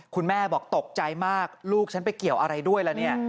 คุณแม่บอกตกใจมากลูกฉันไปเกี่ยวอะไรด้วยล่ะเนี่ย